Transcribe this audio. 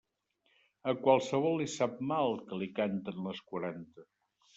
A qualsevol li sap mal que li canten les quaranta.